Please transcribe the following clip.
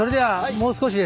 「もう少し」。